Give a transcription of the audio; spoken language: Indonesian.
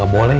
gak boleh ya